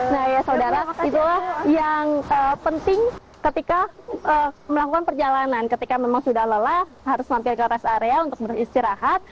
nah ya saudara itulah yang penting ketika melakukan perjalanan ketika memang sudah lelah harus mampir ke rest area untuk beristirahat